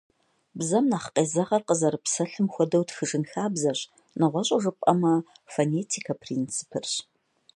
Бзэм нэхъ къезэгъыр къызэрапсэлъым хуэдэу тхыжын хабзэрщ, нэгъуэщӏу жыпӏэмэ, фонетикэ принципырщ.